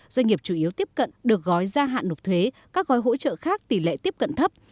doanh nghiệp chủ yếu tiếp cận được gói gia hạn nộp thuế các gói hỗ trợ khác tỷ lệ tiếp cận thấp